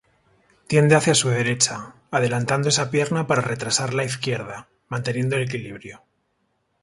Tiende hacia su derecha, adelantando esa pierna para retrasar la izquierda, manteniendo el equilibrio.